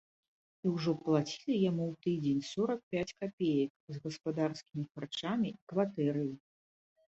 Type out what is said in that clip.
І ўжо плацілі яму ў тыдзень сорак пяць капеек, з гаспадарскімі харчамі і кватэраю.